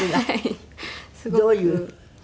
どういう？